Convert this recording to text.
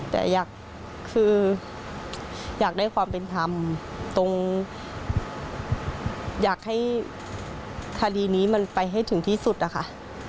แต่อยากคืออยากได้ความเป็นธรรมตรงอยากให้คดีนี้มันไปให้ถึงที่สุดนะคะ